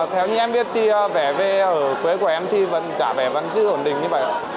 theo như em biết thì vẽ về ở quê của em thì vẫn giá vé vẫn giữ ổn định như vậy